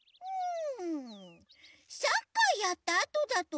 うん。